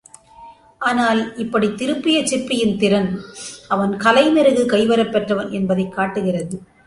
ஆனால், இப்படித் திருப்பிய சிற்பியின் திறன், அவன் கலை மெருகு கைவரப் பெற்றவன் என்பதைக் காட்டுகிறது.